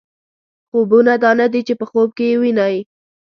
خوبونه دا نه دي چې په خوب کې یې وینئ.